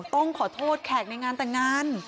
ต้องขอโทษแขกในงานแต่งงาน